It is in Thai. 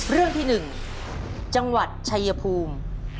เรื่องที่๑จังหวัดชายภูมิ